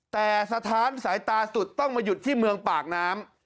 แต่สถานสายตาสุดต้องมาหยุดที่เมืองปากน้ำ